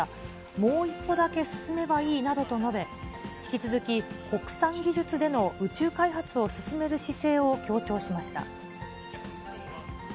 もう一歩だけ進めばいいなどと述べ、引き続き、国産技術での宇宙開発を進める姿勢を強調しました。